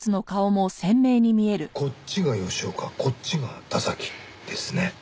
こっちが吉岡こっちが田崎ですね。